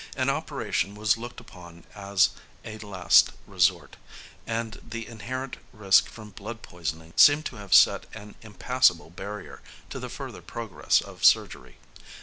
An operation was looked upon as a last resource, and the inherent risk from blood poisoning seemed to have set an impassable barrier to the further progress of surgery.